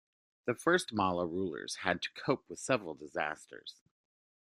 The first Malla rulers had to cope with several disasters.